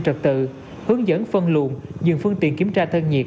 trật tự hướng dẫn phân luồn dừng phương tiện kiểm tra thân nhiệt